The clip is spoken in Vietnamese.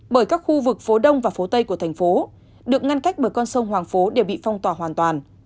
bởi các khu vực phố đông và phố tây của thành phố được ngăn cách bởi con sông hoàng phố đều bị phong tỏa hoàn toàn